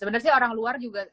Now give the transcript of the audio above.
sebenarnya orang luar juga